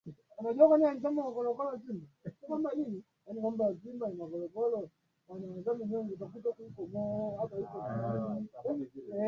wakati unaweza kuokolewa kwa miaka kwa safari